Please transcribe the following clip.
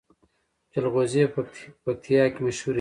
جلغوزي په پکتیا کې مشهور دي